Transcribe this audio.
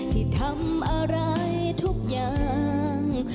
ที่ทำอะไรทุกอย่าง